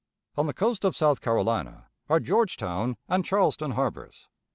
On the coast of South Carolina are Georgetown and Charleston Harbors.